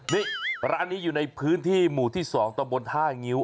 นี่ร้านนี้อยู่ในพื้นที่หมู่ที่๒ตะบนท่างิ้ว